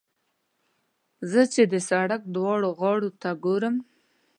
زه چې د سړک دواړو غاړو ته ګورم.